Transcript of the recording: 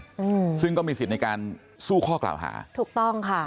อืมซึ่งก็มีสิทธิ์ในการสู้ข้อกล่าวหาถูกต้องค่ะ